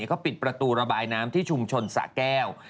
เขาปิดประตูระบายน้ำที่ชุมชนสะแก้ว